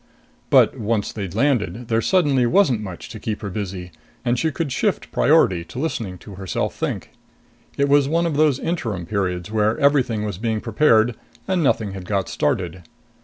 But once they'd landed, there suddenly wasn't much to keep her busy, and she could shift priority to listening to herself think. It was one of those interim periods where everything was being prepared and nothing had got started.